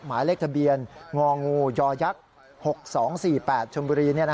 หมายเลขทะเบียนงองูยักษ์๖๒๔๘ชมบุรี